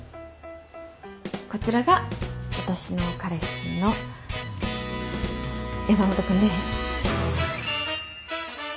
こちらが私の彼氏の山本君です。